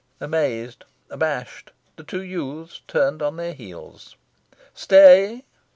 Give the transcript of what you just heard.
Amazed, abashed, the two youths turned on their heels. "Stay!"